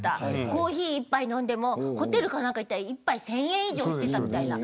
コーヒー１杯飲んでもホテルか何か行ったら１０００円以上していたみたいな。